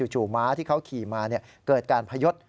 ม้าที่เขาขี่มาเกิดการพยศ